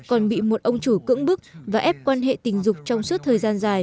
momo còn bị một ông chủ cưỡng bức và ép quan hệ tình dục trong suốt thời gian dài